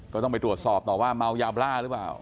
ก็ต้องไปตรวจสอบต่อว่าเมายาบ้าหรือเปล่า